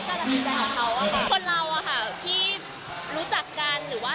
ความรู้สึกอะคะก็วันแรกวันยังไงวันนี้ก็เหมือนเดิม